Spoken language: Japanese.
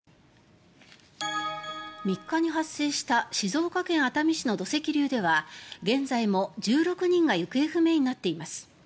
３日に発生した静岡県熱海市の土石流では現在も１６人が行方不明になっています。